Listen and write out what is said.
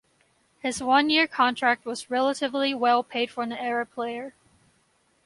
His one-year contract was relatively well paid for an Arab player.